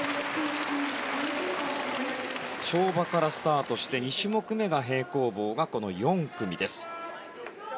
跳馬からスタートして２種目目が平行棒がこの４組です。